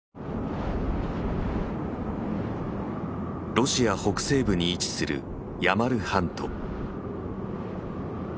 ロシア北西部に位置するヤマル半島。